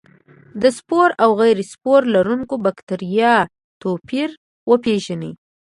د سپور او غیر سپور لرونکو بکټریا توپیر وپیژني.